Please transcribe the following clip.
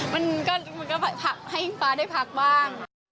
มันก็พักให้อิงฟ้าได้พักบ้าง